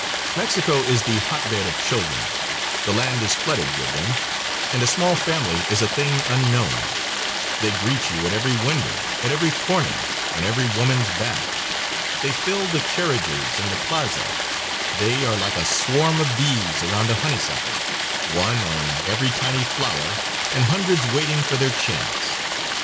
Mexico is the hotbed of children; the land is flooded with them, and a small family is a thing unknown; they greet you at every window, at every corner, on every woman's back; they fill the carriages and the plaza; they are like a swarm of bees around a honeysuckle one on every tiny flower and hundreds waiting for their chance.